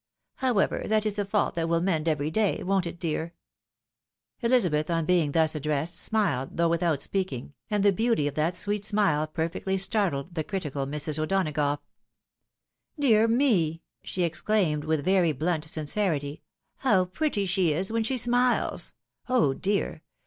However, that is a fault that will mend every day — won't it, dear ?" Elizabeth, on being thus addressed, smiled, though without speaking, and the beauty of that sweet smile perfectly startled lie critical Mrs. O'Donagough. "Dear me!" she exclaimed, with very blunt sincerity, "how pretty she is when she smiles ! Oh, dear